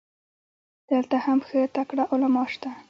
دلته هم ښه تکړه علما سته.